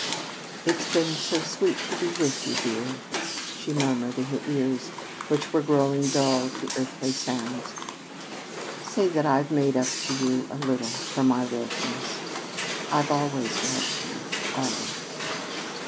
"It's been so sweet to be with you, dear," she murmured in the ears which were growing dull to earthly sounds. "Say that I've made up to you a little for my willfulness. I've always loved you always."